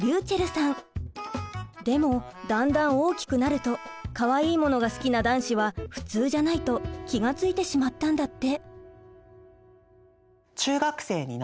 でもだんだん大きくなると「かわいいものが好きな男子は普通じゃない」と気が付いてしまったんだって。